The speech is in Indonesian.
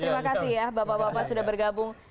terima kasih ya bapak bapak sudah bergabung